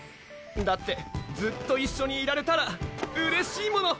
だってずっと一緒にいられたらうれしいもの！